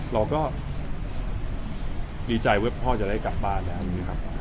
เราก็ดีใจว่าพ่อจะได้กลับบ้านแล้วครับ